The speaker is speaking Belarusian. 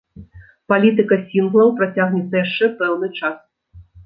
Палітыка сінглаў працягнецца яшчэ пэўны час.